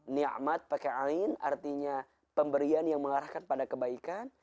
ni'mat pakai ain artinya pemberian yang mengarahkan pada kebaikan